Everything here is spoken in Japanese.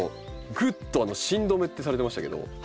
ぐっと芯止めってされてましたけども。